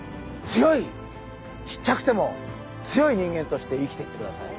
強いちっちゃくても強い人間として生きていってください。